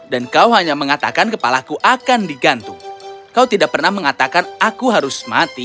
dan kau hanya mengatakan kepalaku akan digantung kau tidak pernah mengatakan aku harus mati